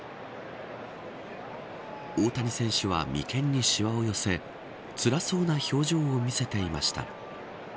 大谷選手は眉間にしわを寄せつらそうな表情を見せていました。